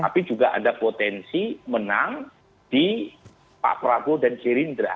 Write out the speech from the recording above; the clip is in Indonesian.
tapi juga ada potensi menang di pak prabowo dan gerindra